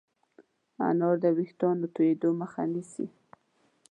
انار د ويښتانو تویدو مخه نیسي.